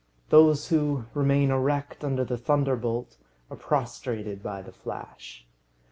Those who remain erect under the thunderbolt are prostrated by the flash.